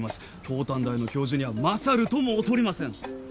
東端大の教授には勝るとも劣りません。